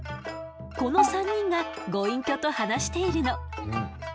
この３人がご隠居と話しているの。